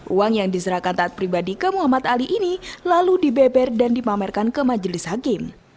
uang yang diserahkan taat pribadi ke muhammad ali ini lalu dibeber dan dipamerkan ke majelis hakim